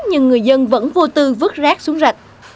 nhưng người dân vẫn vô tư vứt rác xuống rạch